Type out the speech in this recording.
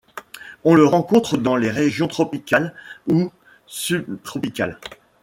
On le rencontre dans les régions tropicales ou sub-tropicales.